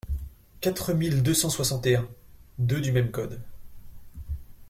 quatre mille deux cent soixante et un-deux du même code.